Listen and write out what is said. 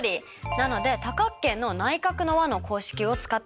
なので多角形の内角の和の公式を使って考えます。